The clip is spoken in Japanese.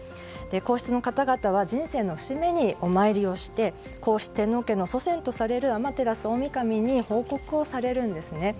皇室の方々は人生の節目にお参りをして、皇室家の祖先とされる天照大御神に報告をされるんですね。